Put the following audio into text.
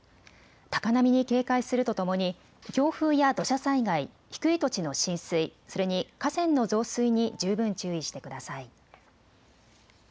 高波に警戒するとともに強風や土砂災害、低い土地の浸水、それに河川の増水に十分注意してください。